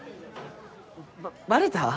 ババレた？